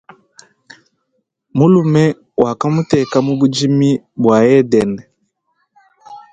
Mulume wa kamuteka mu budimi bwa edene.